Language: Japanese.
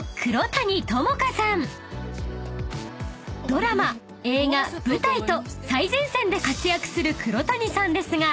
［ドラマ映画舞台と最前線で活躍する黒谷さんですが］